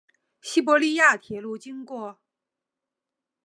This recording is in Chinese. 西伯利亚铁路经过。